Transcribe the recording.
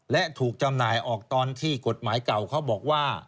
และถูกจำหน่ายออกตอนที่กฎหมายเก่าเขาบอกว่า